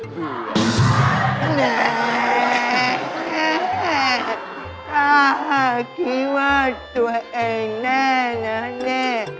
ก็คิดว่าตัวเองแน่